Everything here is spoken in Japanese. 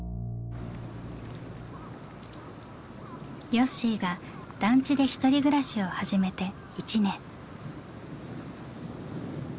よっしーが団地で１人暮らしを始めて１年。